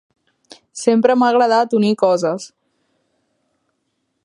Sempre m'ha agradat unir coses.